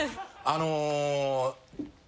あの。